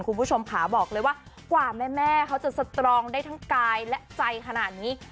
คุณผู้ชมค่ะบอกเลยว่ากว่าแม่เขาจะสตรองได้ทั้งกายและใจขนาดนี้